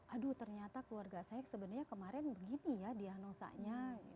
aduh ternyata keluarga saya sebenarnya kemarin begini ya diagnosanya